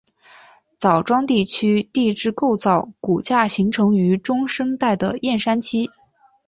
枣庄地区地质构造骨架形成于中生代的燕山期。